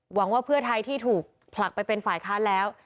หวังว่าเพื่อไทยที่ถูกผลักไปเป็นฝ่ายค้านแล้ว